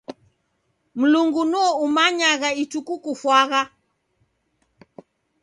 Mlungu nuo umayagha ituku kufwagha